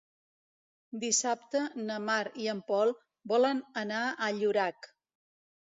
Dissabte na Mar i en Pol volen anar a Llorac.